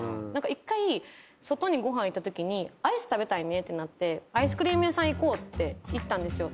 １回外にご飯行ったときにアイス食べたいねってなってアイスクリーム屋さん行こうって行ったんですよ。